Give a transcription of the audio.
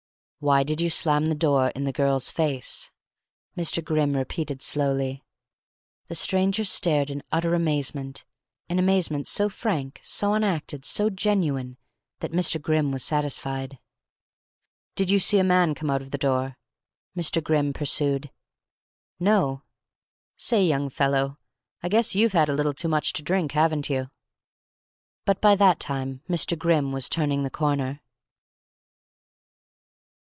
"Why did you slam the door in the girl's face?" Mr. Grimm repeated slowly. The stranger stared in utter amazement an amazement so frank, so unacted, so genuine, that Mr. Grimm was satisfied. "Did you see a man come out the door?" Mr. Grimm pursued. "No. Say, young fellow, I guess you've had a little too much to drink, haven't you?" But by that time Mr. Grimm was turning the corner.